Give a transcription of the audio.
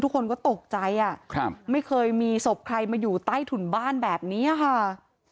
ทุกคนก็ตกใจอ่ะครับไม่เคยมีศพใครมาอยู่ใต้ถุนบ้านแบบนี้ค่ะ